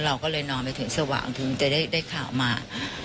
เราก็เลยนอนไปถึงสว่างถึงจะได้ข่าวมา